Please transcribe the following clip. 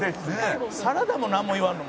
「サラダもなんも言わんの？